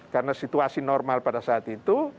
karena situasi normal pada saat itu